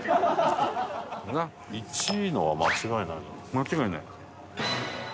間違いない。